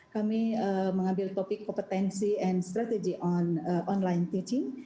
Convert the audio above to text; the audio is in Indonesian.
kami mengambil topik kompetensi dan strategi online teaching